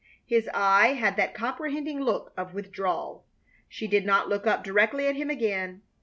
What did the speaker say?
His eye had that comprehending look of withdrawal. She did not look up directly at him again.